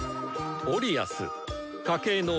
オリアス。